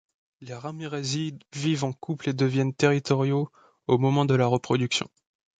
Les Ramirezi vivent en couple et deviennent territoriaux au moment de la reproduction.